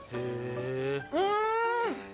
うん！